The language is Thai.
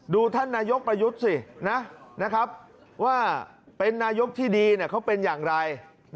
ท่านนายกประยุทธ์สินะครับว่าเป็นนายกที่ดีเขาเป็นอย่างไร